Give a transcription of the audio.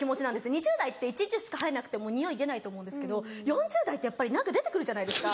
２０代って１日２日入んなくても臭い出ないと思うんですけど４０代ってやっぱり何か出て来るじゃないですか。